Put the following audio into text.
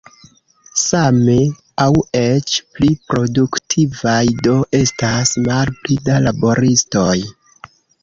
Same aŭ eĉ pli produktivaj do estas malpli da laboristoj.